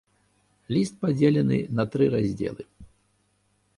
Ліст падзелены на тры раздзелы.